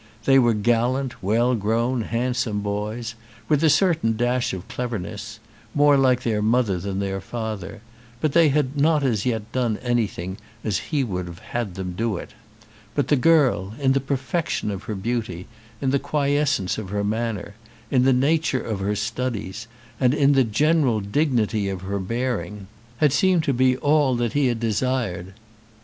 They were gallant, well grown, handsome boys, with a certain dash of cleverness, more like their mother than their father; but they had not as yet done anything as he would have had them do it. But the girl, in the perfection of her beauty, in the quiescence of her manner, in the nature of her studies, and in the general dignity of her bearing, had seemed to be all that he had desired.